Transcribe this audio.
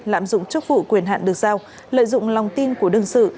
lạm dụng chức vụ quyền hạn được giao lợi dụng lòng tin của đương sự